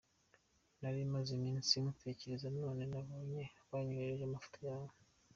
Nari maze iminsi ngutekereza, none nabonye wanyoherereje amafoto yawe.